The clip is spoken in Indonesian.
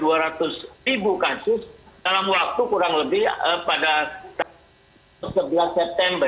ada dua ratus ribu kasus dalam waktu kurang lebih pada sebelas september